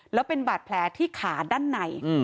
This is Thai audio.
แล้วเป็นบาดแผลที่ขาด้านใน